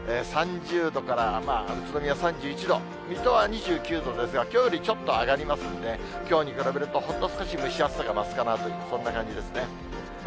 ３０度から、まあ宇都宮３１度、水戸は２９度ですが、きょうよりちょっと上がりますんで、きょうに比べると、ほんの少し蒸し暑さが増すかなという、そんな感じですね。